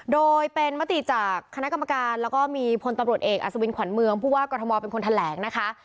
โดยเป็นมติจากคณะกรรมการแล้วก็มีพลตำรวจเอกอัศวินขวัญเมืองผู้ว่ากรทมเป็นคนแถลงนะคะ